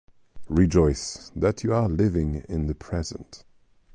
Rejoice that you are living in the present.